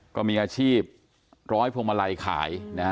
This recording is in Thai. ก็มีอาชีพ๑๐๐พวงมาลัยข่าย